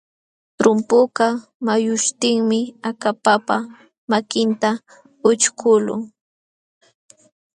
Trumpukaq muyuśhtinmi akapapa makinta ućhkuqlun.